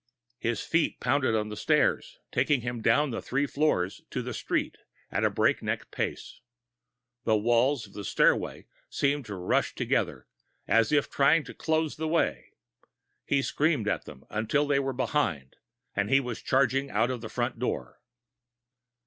His feet pounded on the stairs, taking him down the three floors to the street at a breakneck pace. The walls of the stairway seemed to be rushing together, as if trying to close the way. He screamed at them, until they were behind, and he was charging out of the front door.